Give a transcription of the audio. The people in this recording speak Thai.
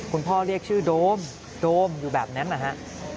พ่อเรียกชื่อโดมโดมอยู่แบบนั้นนะฮะ